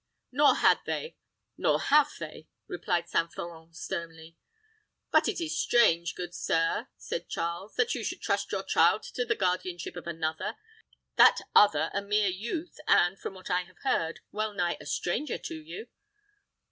"Nor had they nor have they," replied St Florent, sternly. "But it is strange, good sir," said Charles, "that you should trust your child to the guardianship of another; that other a mere youth, and, from what I have heard, well nigh a stranger to you."